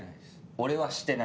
俺はしてないです。